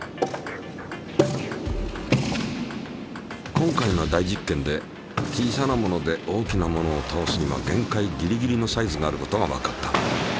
今回の大実験で小さなもので大きなものをたおすには限界ギリギリのサイズがあることがわかった。